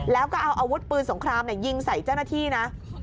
แล้วก็เอาอาวุธปืนสงครามยิงใส่เจ้าหน้าที่นะ